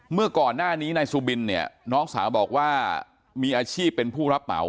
เมื่อก่อนหน้านี้นายสุบินเนี่ยน้องสาวบอกว่ามีอาชีพเป็นผู้รับเหมา